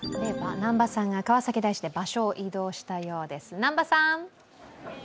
南波さんが川崎大師で場所を移動したようです。